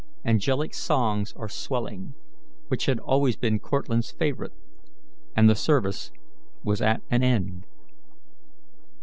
angelic songs are swelling," which had always been Cortlandt's favourite and the service was at an end.